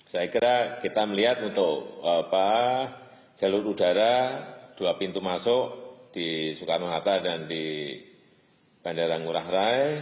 saya kira kita melihat untuk jalur udara dua pintu masuk di soekarno hatta dan di bandara ngurah rai